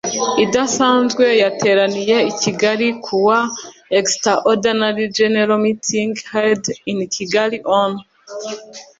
idasanzwe yateraniye i kigali ku wa extraordinary general meeting held in kigali on